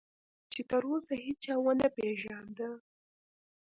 چې تراوسه هیچا ونه پېژانده.